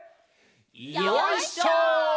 よいしょ！